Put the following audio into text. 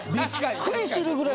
びっくりするぐらい。